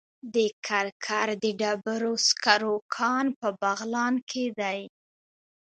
د کرکر د ډبرو سکرو کان په بغلان کې دی